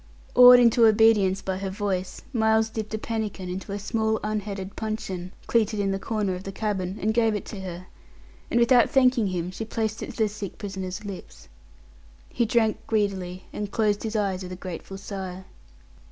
Awed into obedience by her voice, Miles dipped a pannikin into a small puncheon, cleated in the corner of the cabin, and gave it her; and, without thanking him, she placed it to the sick prisoner's lips. He drank greedily, and closed his eyes with a grateful sigh.